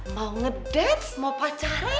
mau ngedance mau pacaran